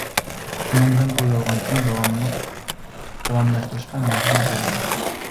شۇنىڭ بىلەن بۇ يالغانچىلىقنى داۋاملاشتۇرۇشقا مەجبۇر بولدۇم.